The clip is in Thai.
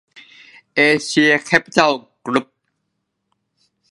เอเชีย แคปปิตอล กรุ๊ป